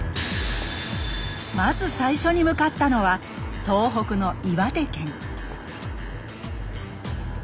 まず最初に向かったのは東北の岩手県。